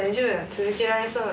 続けられそうなの？